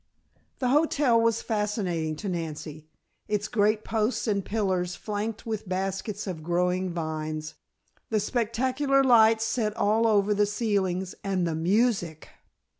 The hotel was fascinating to Nancy; its great posts and pillars flanked with baskets of growing vines, the spectacular lights set all over the ceilings, and the music!